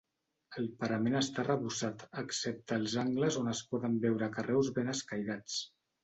El parament està arrebossat excepte als angles on es poden veure carreus ben escairats.